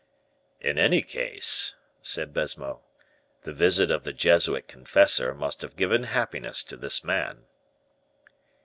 "In any case," said Baisemeaux, "the visit of the Jesuit confessor must have given happiness to this man."